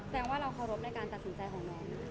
แสดงว่าเราเคารพในการตัดสินใจของน้องนะครับ